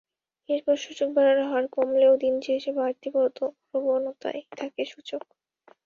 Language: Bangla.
এরপর সূচক বাড়ার হার কমলেও দিন শেষে বাড়তি প্রবণতায় থাকে সূচক।